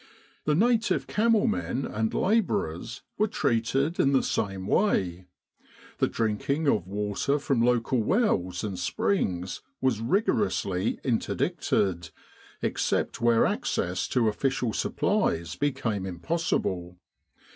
The native camel men and labourers were treated in the same way. The drinking of water from local wells and springs was rigorously interdicted, except where access to official supplies became impossible.